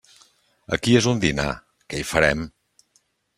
Aquí és un dinar, què hi farem!